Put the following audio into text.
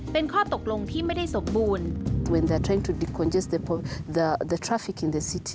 เป็นข้อตกลงที่ไม่ได้สมบูรณ์